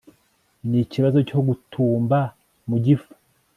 nikibazo cyo gutumba mu gifu